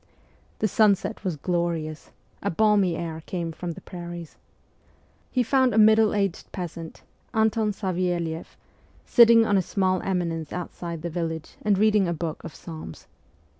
The sunset was glorious ; a balmy air came from the prairies. He found a middle aged peasant Anton Savelieff sitting on a small eminence outside the village and reading a book of THE CORPS OF PAGES 161 psalms.